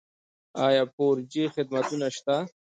آیا فور جي خدمتونه شته؟